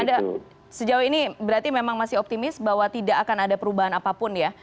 anda sejauh ini berarti memang masih optimis bahwa tidak akan ada perubahan apapun ya